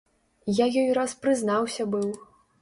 Я ёй раз прызнаўся быў.